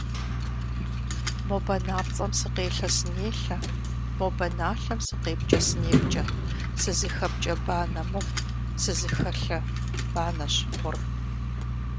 Мо банапцӀэм сыкъелъэ-сынелъэ, мо баналъэм сыкъепкӀэ-сынепкӀэ, сызыхэпкӀэ банэ мыгъу, сызыхэлъэ банэщ гъур.